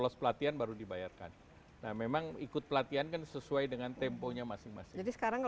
si penerbyan baru dibayarkan nah memang ikut pelatihan kan sesuai dengan temponya masing masing